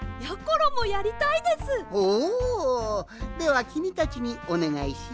ではきみたちにおねがいしようかのう。